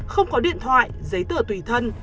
không có điện thoại giấy tửa tùy thân